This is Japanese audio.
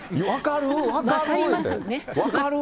分かる？